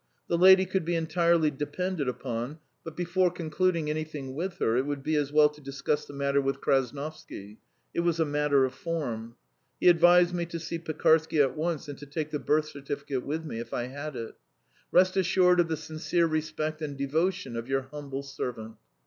The lady could be entirely depended upon, but before concluding anything with her it would be as well to discuss the matter with Krasnovsky it was a matter of form. He advised me to see Pekarsky at once and to take the birth certificate with me, if I had it. "Rest assured of the sincere respect and devotion of your humble servant.